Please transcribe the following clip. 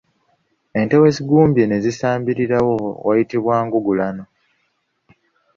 Ente we zigumbye ne zisambirirawo wayitibwa ngugulano.